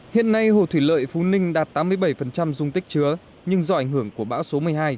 hiện nay hồ thủy lợi phú ninh đạt tám mươi bảy dung tích chứa nhưng do ảnh hưởng của bão số một mươi hai